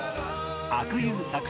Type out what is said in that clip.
阿久悠作詞